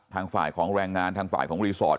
ทางฝ่ายของแรงงานทางฝ่ายของรีสอร์ท